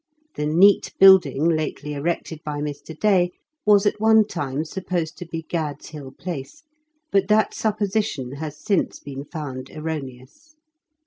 The "neat building lately erected by Mr. Day" was at one time supposed to be Gad's Hill Place, but that supposition has since been found erroneous.